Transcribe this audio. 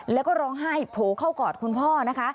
แล้วก็ร้องไห้โผล่เข้ากอดคุณพ่อนะคะ